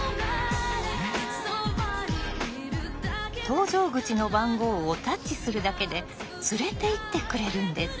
搭乗口の番号をタッチするだけで連れていってくれるんです。